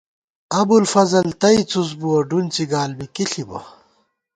ابُوالفضل تئ څُس بُوَہ ، ڈُونڅِی گال بی کی ݪِبہ